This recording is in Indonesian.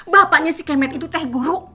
bapaknya si kemet itu teh guru